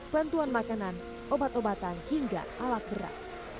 bantuan makanan obat obatan hingga alat berat